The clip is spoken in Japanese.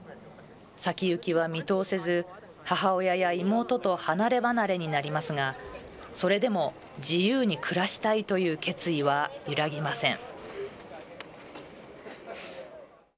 先行きは見通せず、母親や妹と離れ離れになりますが、それでも自由に暮らしたいという決意は揺らぎません。